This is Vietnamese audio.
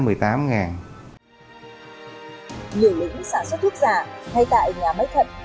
nhiều lĩnh sản xuất thuốc giả ngay tại nhà máy thận